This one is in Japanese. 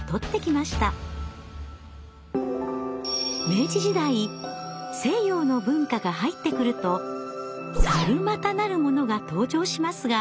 明治時代西洋の文化が入ってくると猿股なるものが登場しますが。